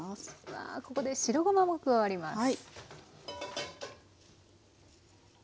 わここで白ごまも加わります。